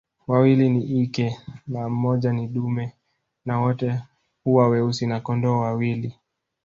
Wawili ni ike na mmoja ni dume na wote huwa weusi na kondoo wawili